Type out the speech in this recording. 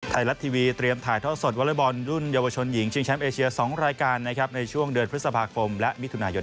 ไทยรัฐทีวีเตรียมถ่ายท่อสดวอเล็กบอลรุ่นเยาวชนหญิงชิงแชมป์เอเชีย๒รายการนะครับในช่วงเดือนพฤษภาคมและมิถุนายน